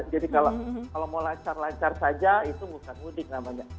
jadi kalau mau lancar lancar saja itu bukan mudik namanya